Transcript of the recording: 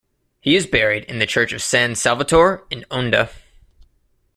He is buried in the church of San Salvatore in Onda.